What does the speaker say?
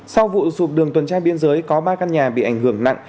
sau vụ sụp đường tuần tra biên giới có ba căn nhà bị ảnh hưởng nặng